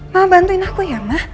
ma bantuin aku ya ma